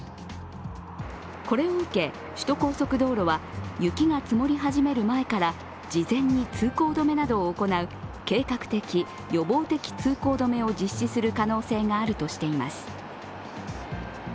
これを受け、首都高速道路は雪が積もり始める前から事前に通行止めなどを行う計画的・予防的通行止めを実施する可能性があるとしています。